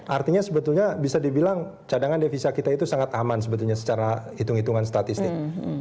artinya sebetulnya bisa dibilang cadangan devisa kita itu sangat aman sebetulnya secara hitung hitungan statistik